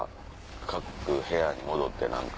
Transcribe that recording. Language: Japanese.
各部屋に戻って何か。